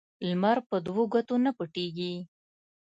لمر په دوو ګوتو نه پټيږي.